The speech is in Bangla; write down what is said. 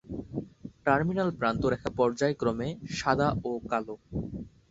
টার্মিনাল প্রান্তরেখা পর্যায়ক্রমে সাদা ও কালো।